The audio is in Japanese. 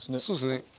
そうですね。